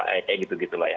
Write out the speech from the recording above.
kayak gitu gitu lah ya